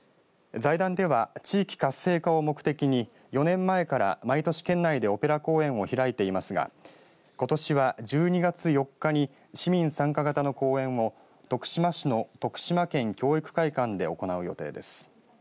財団では、地域活性化を目的に４年前から毎年県内でオペラ公演を開いていますがことしは１２月４日に市民参加型の公演を徳島市の徳島県教育会館で行う予定です。